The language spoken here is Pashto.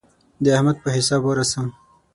د احمد په حساب ورسم.